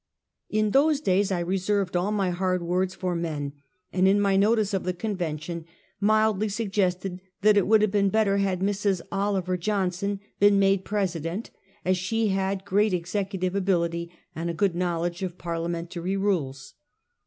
In those daj^s I reserved all my hard words for men, and in my notice of the convention mildly suggested that it would have been better had Mrs. Oliver John son been made president, as she had great executive ability and a good knowledge of parliamentary rules.